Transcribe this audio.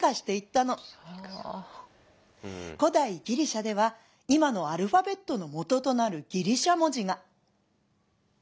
古代ギリシャでは今のアルファベットのもととなるギリシア文字が。